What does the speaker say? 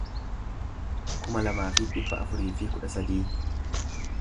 kuma lamaa fi dhibba afurii fi kudha sadii